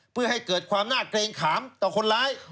เพื่อให้เกิดความน่าเกรงขามต่อคนร้าย